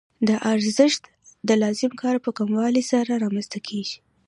دا ارزښت د لازم کار په کموالي سره رامنځته کېږي